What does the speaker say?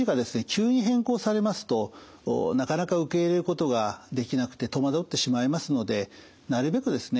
急に変更されますとなかなか受け入れることができなくて戸惑ってしまいますのでなるべくですね